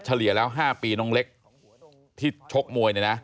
เฉลี่ยแล้ว๕ปีน้องเล็กที่ชกมวย